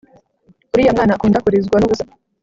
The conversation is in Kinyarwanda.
Uriya mwana akunda kurizwa nubusa